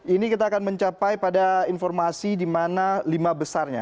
ini kita akan mencapai pada informasi di mana lima besarnya